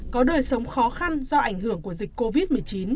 có đời sống khó khăn do ảnh hưởng của dịch covid một mươi chín